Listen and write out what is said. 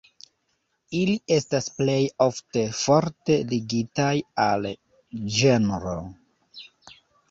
Ili estas plej ofte forte ligitaj al ĝenro.